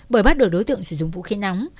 bởi bắt được đối tượng sử dụng vũ khí nóng